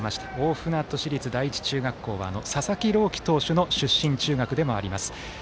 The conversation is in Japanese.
大船渡市立第一中学校は佐々木朗希選手の出身中学でもあります。